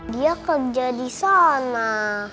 dia kerja di sana